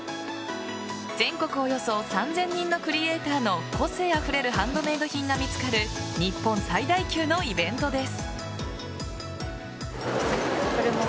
全国、およそ３０００人のクリエイターの個性あふれるハンドメイド品が見つかる日本最大級のイベントです。